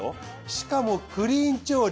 しかもクリーン調理。